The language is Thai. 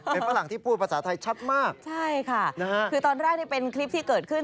เป็นฝรั่งที่พูดภาษาไทยชัดมากใช่ค่ะนะฮะคือตอนแรกนี่เป็นคลิปที่เกิดขึ้น